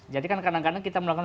jadi kan kadang kadang kita melakukan